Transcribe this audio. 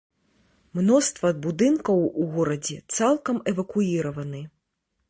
Мноства будынкаў у горадзе цалкам эвакуіраваны.